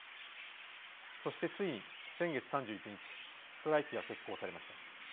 そしてついに、先月３１日ストライキが決行されました。